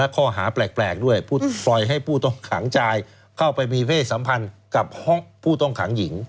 ข้อหาแปลกด้วยปล่อยให้ผู้ต้องขังจายเข้าไปมีเพศสัมพันธ์กับห้องผู้ต้องขังหญิง